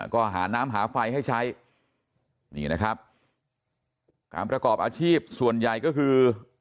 ก็หาน้ำหาไฟให้ใช้นี่นะครับการประกอบอาชีพส่วนใหญ่ก็คือ